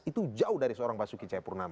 itu jauh dari seorang basuki cahayapurnama